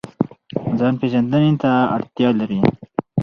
ځان پیژندنې ته اړتیا لري